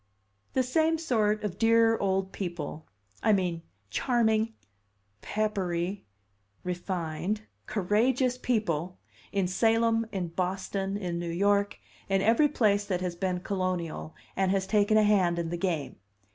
"The same sort of dear old people I mean charming, peppery, refined, courageous people; in Salem, in Boston, in New York, in every place that has been colonial, and has taken a hand in the game."